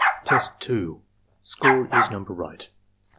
Testa (Score is number right.)